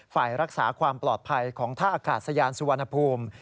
ฝ่ายรักษาความปลอดภัยของท่าอากาศยานสุวรรณภูมิ